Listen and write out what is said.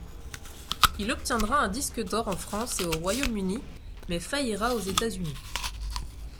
Il obtiendra un disque d'or en France et au Royaume-Uni mais faillira aux États-Unis.